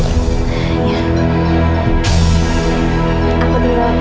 aku tinggal di luar lagi